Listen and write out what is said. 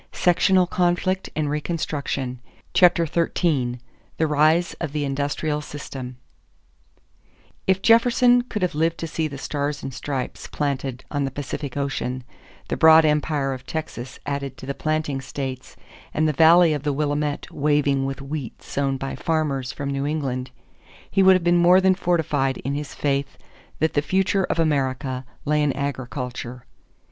SECTIONAL CONFLICT AND RECONSTRUCTION CHAPTER XIII THE RISE OF THE INDUSTRIAL SYSTEM If Jefferson could have lived to see the Stars and Stripes planted on the Pacific Coast, the broad empire of Texas added to the planting states, and the valley of the Willamette waving with wheat sown by farmers from New England, he would have been more than fortified in his faith that the future of America lay in agriculture.